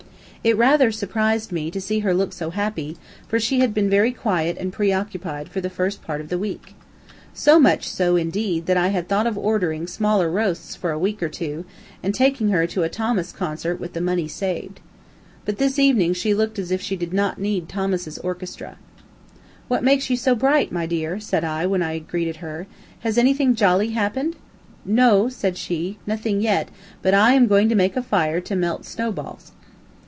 It rather surprised me to see her look so happy, for she had been very quiet and preoccupied for the first part of the week. So much so, indeed, that I had thought of ordering smaller roasts for a week or two, and taking her to a Thomas Concert with the money saved. But this evening she looked as if she did not need Thomas's orchestra. "What makes you so bright, my dear?" said I, when I had greeted her. "Has anything jolly happened?" "No," said she; "nothing yet, but I am going to make a fire to melt snow balls."